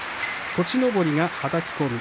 栃登が、はたき込み。